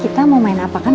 kita mau main apa kan